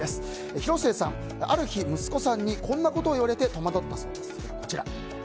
広末さん、ある日息子さんにこんなことを言われて戸惑ったそうです。